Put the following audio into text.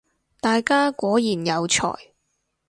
大家果然有才